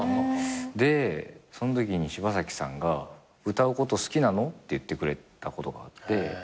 でそんときに柴咲さんが「歌うこと好きなの？」って言ってくれたことがあって。